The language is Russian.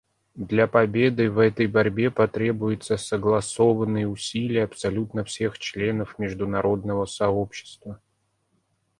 Для победы в этой борьбе потребуются согласованные усилия абсолютно всех членов международного сообщества.